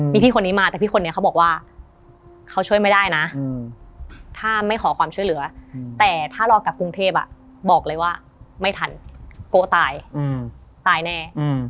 มีพี่คนนี้มาแต่พี่คนนี้เขาบอกว่าเขาช่วยไม่ได้นะถ้าไม่ขอความช่วยเหลือแต่ถ้ารอกลับกรุงเทพบอกเลยว่าไม่ทันโกตายตายแน่